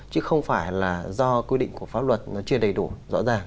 chứ không phải là do quy định của pháp luật nó chưa đầy đủ rõ ràng